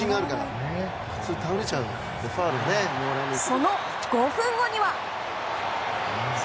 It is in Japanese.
その５分後には。